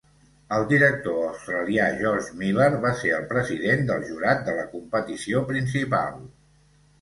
El director australià George Miller va ser el president del jurat de la competició principal.